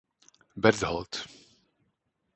Berthold.